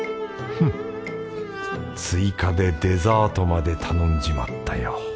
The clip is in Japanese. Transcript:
フッ追加でデザートまで頼んじまったよ。